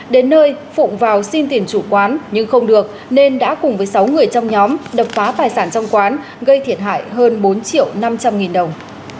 đến nơi phụng vào xin tiền chủ quán nhưng không được nên đã cùng với sáu người trong nhóm đập phá tài sản trong quán gây thiệt hại hơn bốn triệu năm trăm linh nghìn đồng